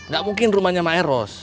enggak mungkin rumahnya maeros